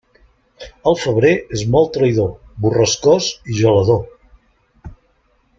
El febrer és molt traïdor, borrascós i gelador.